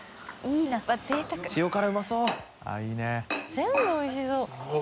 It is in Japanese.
全部おいしそう。